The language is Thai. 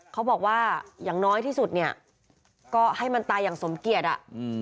เขาบอกว่าอย่างน้อยที่สุดเนี่ยก็ให้มันตายอย่างสมเกียจอ่ะ